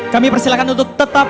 kami persilahkan untuk tetap